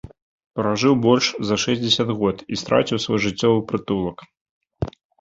Пражыў больш за шэсцьдзесят год і страціў свой жыццёвы прытулак.